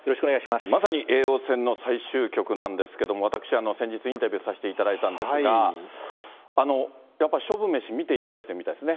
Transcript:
まさにえいおうせんの最終局なんですけども、私、先日、インタビューさせていただいたんですが、やっぱ勝負メシ見ていただいていたみたいですね。